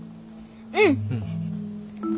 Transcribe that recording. うん！